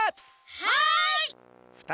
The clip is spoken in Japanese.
はい。